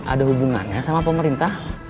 ada hubungannya sama pemerintah